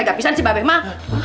gak bisa sih mbak be emang